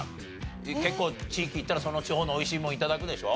結構地域行ったらその地方の美味しいもの頂くでしょ？